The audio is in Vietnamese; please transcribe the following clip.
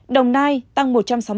đồng nai tăng một trăm sáu mươi một